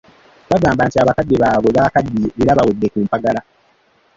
Bagamba nti bakadde baabwe bakaddiye nti era bawedde ku mpagala.